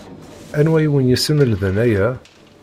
Anwa i wen-yeslemden aya?